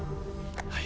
はい。